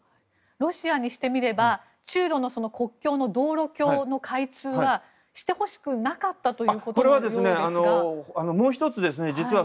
ロシアにしてみれば中露の国境の道路橋の開通はしてほしくなかったということのようですが。